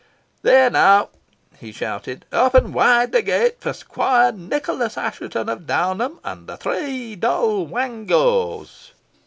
There, now!" he shouted, "Open wide the gate for Squire Nicholas Assheton of Downham, and the three Doll Wangos."